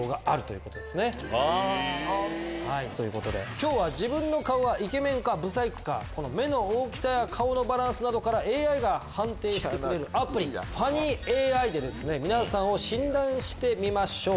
今日は自分の顔がイケメンかブサイクか目の大きさや顔のバランスなどからＡＩが判定してくれるアプリで皆さんを診断してみましょう。